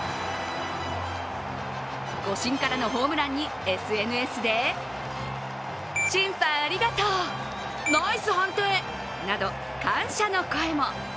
誤審からのホームランにＳＮＳで審判ありがとう、ナイス判定など感謝の声も。